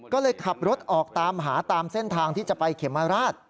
ก็เลยขับรถออกตามหาตามเส้นทางที่จะไปเขมราช